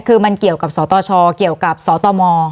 คือมันเกี่ยวกับสตชเกี่ยวกับสตม